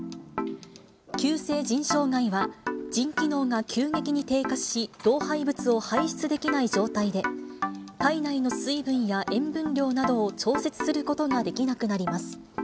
急性腎障害は腎機能が急激に低下し、老廃物を排出できない状態で、体内の水分や塩分量などを調節することができなくなります。